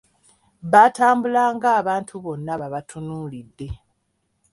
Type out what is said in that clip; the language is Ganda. Baatambulanga abantu bonna babatunuulidde.